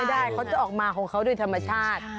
ไม่ได้เขาจะออกมาของเขาโดยธรรมชาติ